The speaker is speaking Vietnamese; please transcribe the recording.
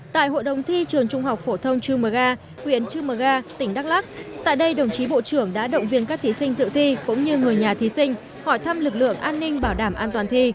tại đây đồng chí bộ trưởng đã động viên các thí sinh dự thi cũng như người nhà thí sinh hỏi thăm lực lượng an ninh bảo đảm an toàn thi